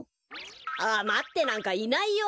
あまってなんかいないよ。